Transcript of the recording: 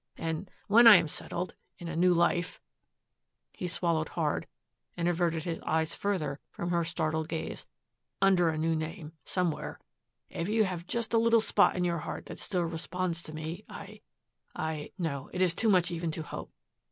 And when I am settled in a new life," he swallowed hard and averted his eyes further from her startled gaze, "under a new name, somewhere, if you have just a little spot in your heart that still responds to me, I I no, it is too much even to hope.